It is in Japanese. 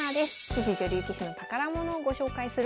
棋士女流棋士の宝物をご紹介するコーナー。